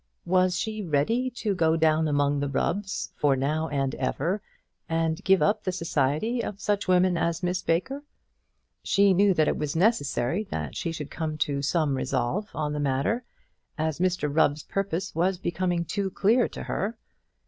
Was she ready to go down among the Rubbs, for now and ever, and give up the society of such women as Miss Baker? She knew that it was necessary that she should come to some resolve on the matter, as Mr Rubb's purpose was becoming too clear to her.